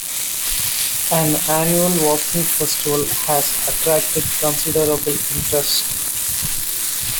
An annual walking festival has attracted considerable interest.